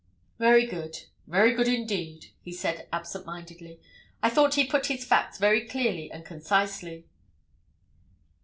"Very good—very good, indeed," he said, absent mindedly. "I thought he put his facts very clearly and concisely."